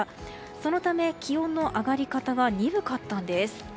そのため、気温の上がり方が鈍かったんです。